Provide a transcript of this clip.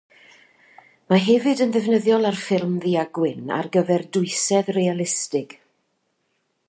Mae hefyd yn ddefnyddiol ar ffilm ddu a gwyn ar gyfer dwysedd realistig.